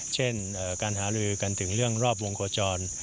เช่นการหาลือกันถึงเรื่องรอบวงโคจร